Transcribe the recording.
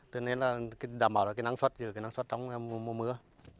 tức nên là đảm bảo là cái năng suất cái năng suất trong mùa mưa